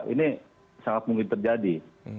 ini sangat mungkin terjadi